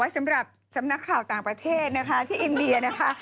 สำหรับสำนักข่าวต่างประเทศนะคะที่อินเดียนะคะ